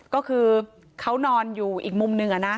ก็คือเขานอนอยู่อีกมุมนึงอะนะ